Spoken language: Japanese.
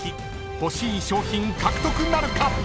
欲しい賞品獲得なるか⁉］